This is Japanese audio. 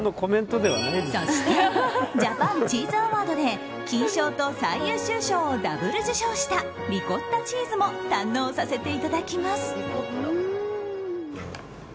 そしてジャパンチーズアワードで金賞と最優秀賞をダブル受賞したリコッタチーズも堪能させていただきます。